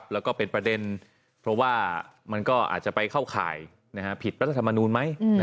แล้วก็เป็นประเด็นเพราะว่ามันก็อาจจะไปเข้าข่ายผิดรัฐธรรมนูลไหม